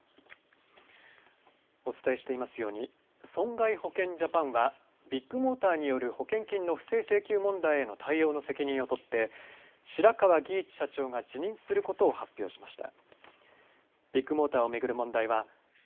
お伝えしていますように損害保険ジャパンはビッグモーターによる保険金の不正請求問題への対応の責任を取って白川儀一社長が辞任することを発表しました。